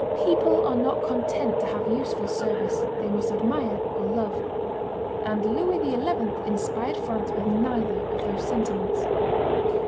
People are not content to have useful service; they must admire or love; and Louis XI. inspired France with neither of those sentiments.